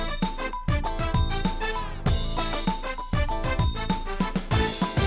ยืมยืม